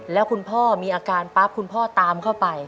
แล้วคุณพ่อมีอาการปั๊บคุณพ่อตามเข้าไป